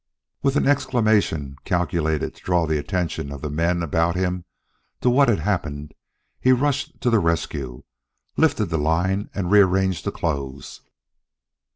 With an exclamation calculated to draw the attention of the men about him to what had happened, he rushed to the rescue, lifted the line and rearranged the clothes.